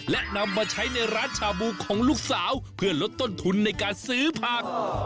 และนำมาใช้ในร้านชาบูของลูกสาวเพื่อลดต้นทุนในการซื้อผัก